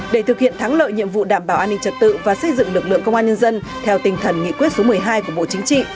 để thực hiện thắng lợi nhiệm vụ đảm bảo an ninh trật tự và xây dựng lực lượng công an nhân dân theo tinh thần nghị quyết số một mươi hai của bộ chính trị